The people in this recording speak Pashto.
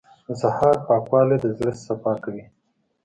• د سهار پاکوالی د زړه صفا کوي.